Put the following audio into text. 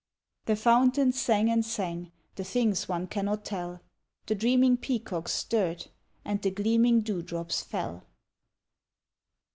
The fountain sang and sang The things one cannot tell; The dreaming peacocks stirred And the gleaming dew drops fell.